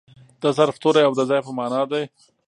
د ظرف توری او د ځای په مانا دئ.